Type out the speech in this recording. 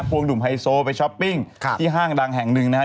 กลุ่มไฮโซไปช้อปปิ้งที่ห้างดังแห่งหนึ่งนะฮะ